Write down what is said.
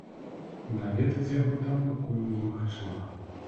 Наведаць яго там пакуль немагчыма.